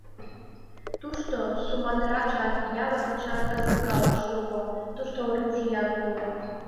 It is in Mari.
Тушто Суматра гычат, Ява гычат кызыт калык шуко, тушто оружият уло...